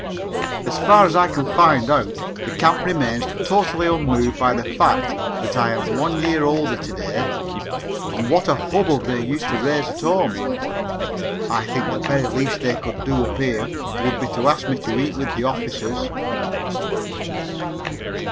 As far as I can find out, the Camp remains totally unmoved by the fact that I am one year older to day and what a hubbub they used to raise at home. I think the very least they could do up here would be to ask me to eat with the officers.